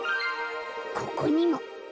ここにも。